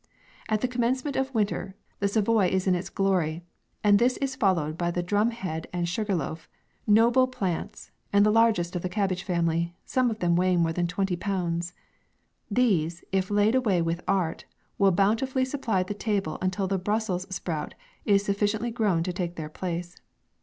At the commencement of winter, the Sa voy is in its glory, and this is followed by the drum head and sugar loaf — noble plants ! and the largest of the cabbage family, some of them weighing more than twenty pounds. These, if laid away with art, will bountifully supply the table until the Brussels' sprout is sufficiently growrt to take their place.